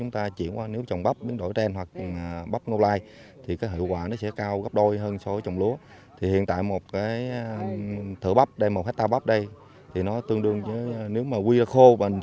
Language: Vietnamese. nhận thấy bắp biến đổi gen được xem là một giải pháp mới cho người dân